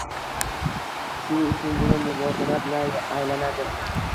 Shu uchungina muvozanat-la aylanadi.